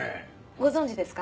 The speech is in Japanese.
ご存知ですか？